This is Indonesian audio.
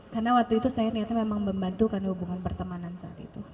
karena waktu itu saya niatnya memang membantukan hubungan pertemanan saat itu